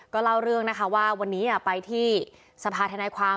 เล่าเรื่องนะคะว่าวันนี้ไปที่สภาธนายความ